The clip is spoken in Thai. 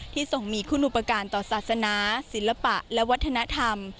ทรงมีคุณอุปการณ์ต่อศาสนาศิลปะและวัฒนธรรม